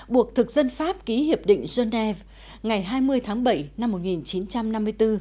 buộc thực dân pháp ký hiệp định genève ngày hai mươi tháng bảy năm một nghìn chín trăm năm mươi bốn